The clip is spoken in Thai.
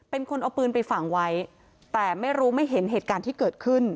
เป็นคนเอาปืนไปฝังไว้แต่ไม่รู้ไม่เห็นเหตุการณ์ที่เกิดขึ้น